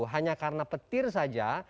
hanya karena petir saja